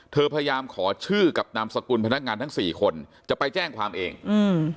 พยายามขอชื่อกับนามสกุลพนักงานทั้งสี่คนจะไปแจ้งความเองอืม